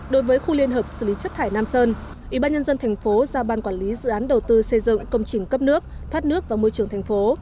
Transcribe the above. đối với khu liên hợp xử lý chất thải nam sơn ủy ban nhân dân thành phố giao ban quản lý dự án đầu tư xây dựng công trình cấp nước thoát nước và môi trường thành phố